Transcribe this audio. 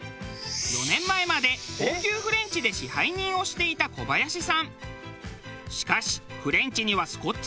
４年前まで高級フレンチで支配人をしていた小林さん。